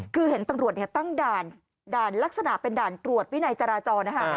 คือเห็นตังรวจเนี่ยตั้งด่านด่านลักษณะเป็นด่านตรวจวินัยจราจรนะฮะ